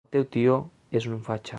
"El teu tio és un fatxa"